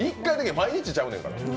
毎日ちゃうんやから。